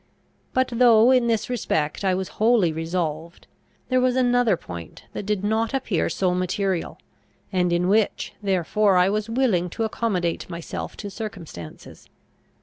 But, though in this respect I was wholly resolved, there was another point that did not appear so material, and in which therefore I was willing to accommodate myself to circumstances.